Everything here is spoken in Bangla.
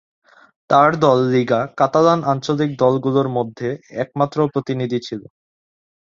তার দল "লিগা" কাতালান আঞ্চলিক দলগুলোর মধ্যে একমাত্র প্রতিনিধি ছিল।